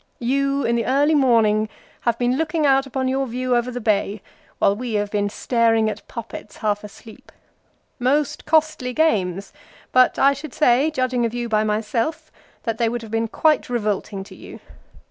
" You in the early morning have been looking out upon your view over the bay while we have been staring at puppets half asleep. Most costly games, but I should say, judging of you by myself that they would have been quite revolting to you.